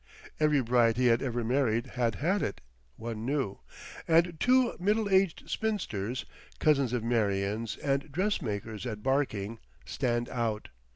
Every bride he had ever married had had it, one knew. And two middle aged spinsters, cousins of Marion's and dressmakers at Barking, stand out.